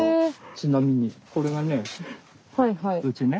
ちなみにこれがねうちね。